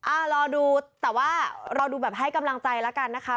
รอดูแต่ว่ารอดูแบบให้กำลังใจแล้วกันนะคะ